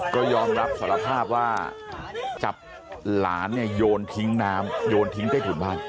ก็ยอมรับสารภาพว่าจับหลานเนี่ยโยนทิ้งน้ำโยนทิ้งใต้ถุนบ้าน